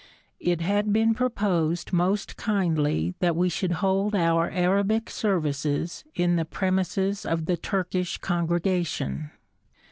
It had been proposed most kindly that we should hold our Arabic services in the premises of the Turkish congregation.